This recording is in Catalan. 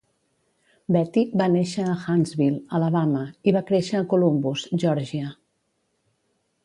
Betty va néixer a Huntsville (Alabama) i va créixer a Columbus (Geòrgia).